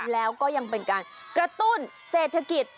แล้วก็ยังเป็นการกระตุ้นเศรษฐกิจ